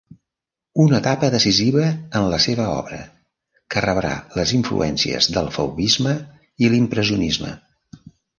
Una etapa decisiva en la seva obra que rebrà les influències del fauvisme i l'impressionisme.